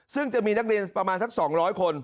ซึ่งจะมีนักเรียนประมาณสัก๒๐๐คน